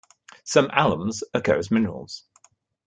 Some alums occur as minerals.